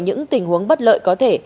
những tình huống bất lợi có thể